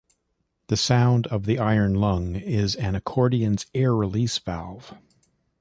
The sound of the iron lung is an accordion's air release valve.